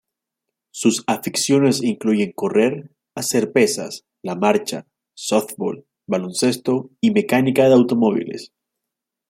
Sus aficiones incluyen correr, hacer pesas, la marcha, softbol, baloncesto y mecánica de automóviles.